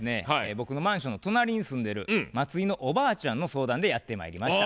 僕のマンションの隣に住んでる松井のおばあちゃんの相談でやってまいりました。